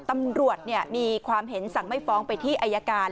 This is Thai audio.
ตำรวจมีความเห็นสั่งไม่ฟ้องไปที่อายการ